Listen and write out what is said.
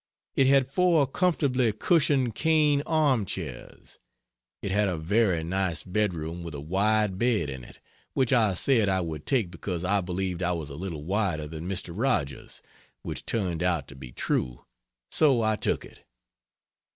It had four comfortably cushioned cane arm chairs. It had a very nice bedroom with a wide bed in it; which I said I would take because I believed I was a little wider than Mr. Rogers which turned out to be true; so I took it.